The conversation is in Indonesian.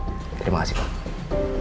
terima kasih pak